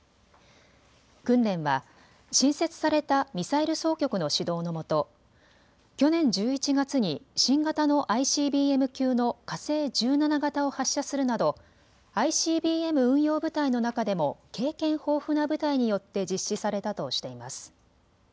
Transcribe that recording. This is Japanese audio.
訓練は新設されたミサイル総局の指導のもと去年１１月に新型のＩＣＢＭ級の火星１７型を発射するなどＩＣＢＭ運用部隊の中でも経験豊富な部隊によって実施されたとしています。